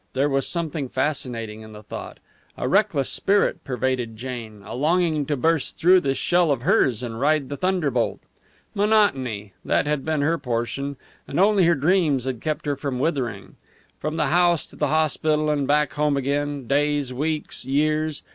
There was something fascinating in the thought. A reckless spirit pervaded Jane, a longing to burst through this shell of hers and ride the thunderbolt. Monotony that had been her portion, and only her dreams had kept her from withering. From the house to the hospital and back home again, days, weeks, years.